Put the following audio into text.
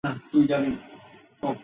আর কেন?